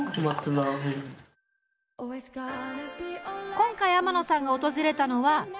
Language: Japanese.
今回天野さんが訪れたのは東京。